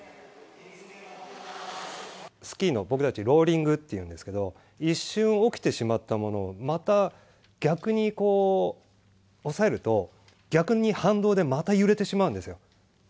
ローリングっていうんですけど、一瞬、起きてしまったものを、また逆にこう、おさえると、逆に反動でまた揺れてしまうんですよ。